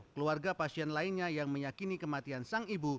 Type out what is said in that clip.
keluarga pasien lainnya yang meyakini kematian sang ibu